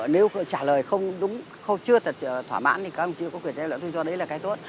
nếu trả lời không đúng chưa thỏa mãn thì các đồng chí có quyền tranh luận tôi cho đấy là cái tốt